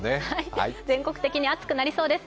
全国的に暑くなりそうです。